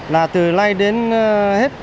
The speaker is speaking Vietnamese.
là từ nay đến hết